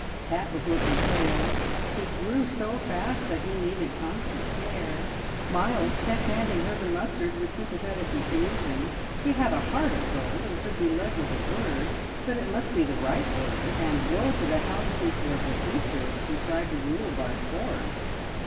Pat was looking pale; he grew so fast that he needed constant care. Miles kept handing her the mustard with sympathetic effusion; he had a heart of gold and could be led with a word, but it must be the right word, and woe to the housekeeper of the future if she tried to rule by force!